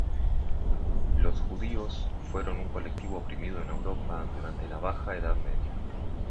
Los judíos fueron un colectivo oprimido en Europa durante la Baja Edad Media.